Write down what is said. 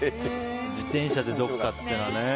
自転車でどこかっていうのはね。